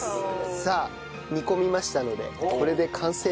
さあ煮込みましたのでこれで完成ですね。